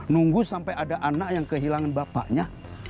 nunggu sampai ada anak yang kehilangan bapaknya